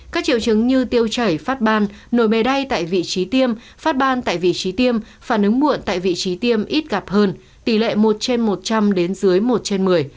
các triệu chứng như tiêu chảy phát ban nổi bề đay tại vị trí tiêm phát ban tại vị trí tiêm phản ứng muộn tại vị trí tiêm ít gặp hơn tỷ lệ một trên một trăm linh đến dưới một trên một mươi